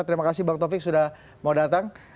terima kasih bang taufik sudah mau datang